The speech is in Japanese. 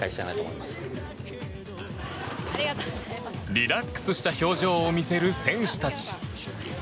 リラックスした表情を見せる選手たち。